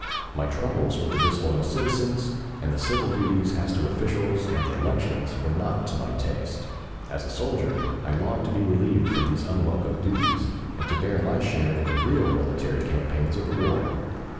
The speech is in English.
My troubles with the disloyal citizens and the civil duties as to officials and the elections were not to my taste. As a soldier I longed to be relieved from these unwelcome duties, and to bear my share in the real military campaigns of the war.